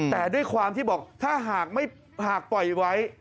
แต่ด้วยความที่บอกถ้าหากปล่อยไว้